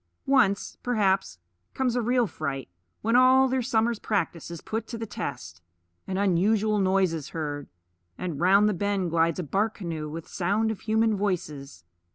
Once, perhaps, comes a real fright, when all their summer's practice is put to the test. An unusual noise is heard; and round the bend glides a bark canoe with sound of human voices.